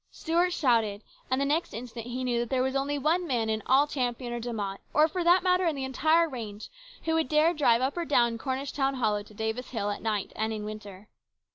Stuart shouted ; and the next instant he knew that there was only one man in all Champion or De Mott, or for that matter in the entire range, who would dare drive up or down Cornish town hollow to Davis hill at night and in winter.